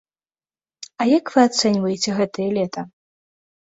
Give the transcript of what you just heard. А як вы ацэньваеце гэтае лета?